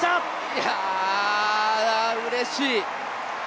いや、うれしい。